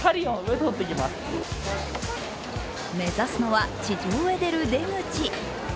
目指すのは地上へ出る出口。